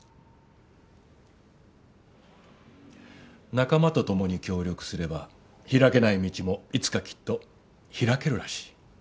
仲間と共に協力すれば開けない道もいつかきっと開けるらしい。